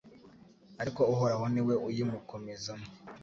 ariko Uhoraho ni we uyimukomezamo